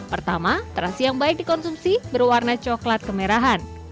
pertama terasi yang baik dikonsumsi berwarna coklat kemerahan